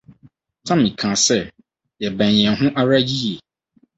Tammy ka sɛ: Yɛbɛn yɛn ho ara yiye.